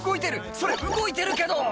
それ動いてるけど！